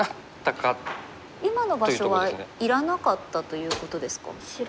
今の場所はいらなかったということですか？